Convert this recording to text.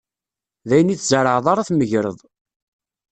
D ayen i tzerεeḍ ara tmegreḍ.